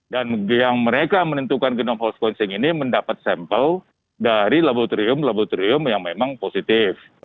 dan yang mereka menentukan genom hall squancing ini mendapat sampel dari laboratorium laboratorium yang memang positif